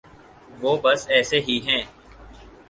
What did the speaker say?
وہ بس ایسے ہی ہیں۔